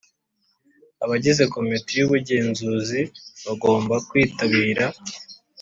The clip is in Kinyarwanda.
Abagize Komite y Ubugenzuzi bagomba kwitabira